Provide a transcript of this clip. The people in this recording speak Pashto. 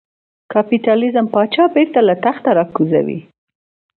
کاپیتالېزم پاچا بېرته له تخته را کوزوي.